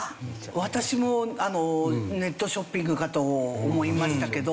私もネットショッピングかと思いましたけど。